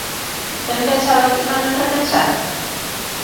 ¿Ten pensado aquí tamén repensar?